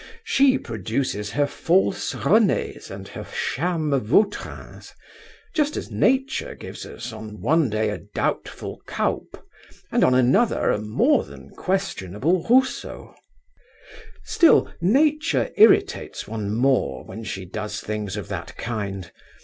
She produces her false Renés and her sham Vautrins, just as Nature gives us, on one day a doubtful Cuyp, and on another a more than questionable Rousseau. Still, Nature irritates one more when she does things of that kind.